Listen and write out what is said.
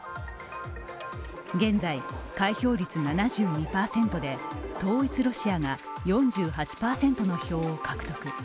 現在、開票率７２％で統一ロシアが４８％の票を獲得。